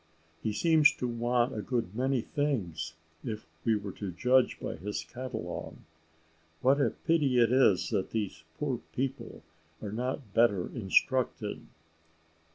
"He seems to want a good many things, if we were to judge by his catalogue: what a pity it is that these poor people are not better instructed."